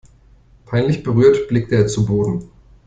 Peinlich berührt blickte er zu Boden.